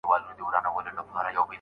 د ده په اشعارو کي پروت دی